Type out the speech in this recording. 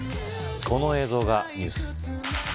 この映像がニュース。